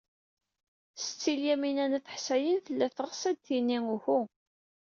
Setti Lyamina n At Ḥsayen tella teɣs ad d-tini uhu.